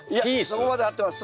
そこまで合ってます。